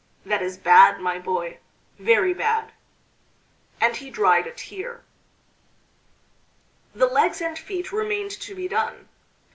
That is bad, my boy, very bad." And he dried a tear. The legs and feet remained to be done.